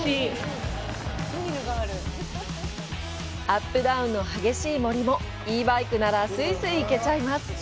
アップダウンの激しい森もＥバイクならすいすい行けちゃいます。